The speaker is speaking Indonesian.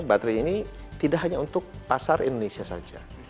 baterai ini tidak hanya untuk pasar indonesia saja